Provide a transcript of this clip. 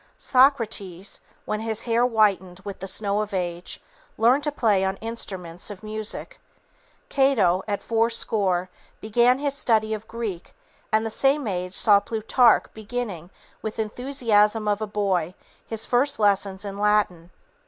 Socrates, when his hair whitened with the snow of age, learned to play on instruments of music. Cato, at fourscore, began his study of Greek, and the same age saw Plutarch beginning, with the enthusiasm of a boy, his first lessons in Latin.